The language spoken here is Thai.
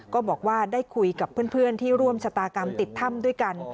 ก็บอกว่าได้คุยกับเพื่อนที่ร่วมชะตากรรมติดถ้ำด้วยกัน